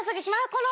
この！